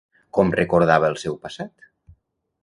Com recordava el seu passat?